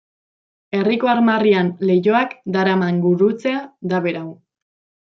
Herriko armarrian lehoiak daraman gurutzea da berau.